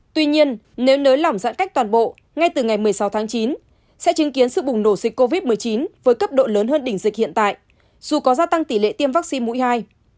tuy nhiên nếu nới lỏng giãn cách toàn bộ ngay từ ngày một mươi sáu tháng chín sẽ chứng kiến sự bùng nổ dịch covid một mươi chín với cấp độ lớn hơn đỉnh dịch hiện tại dù có gia tăng tỷ lệ tiêm vaccine mũi hai